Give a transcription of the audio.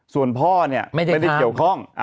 ส่วนพ่อเนี่ยไม่ได้เกี่ยวข้อง